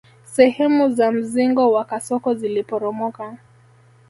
Sehemu za mzingo wa kasoko ziliporomoka